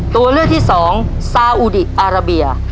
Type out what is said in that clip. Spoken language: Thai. ตัวเลือกที่สองซาอุดีอาราเบีย